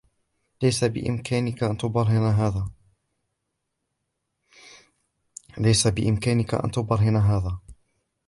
ليس بإمكانك أن تبرهن هذا